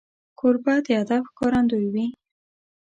کوربه د ادب ښکارندوی وي.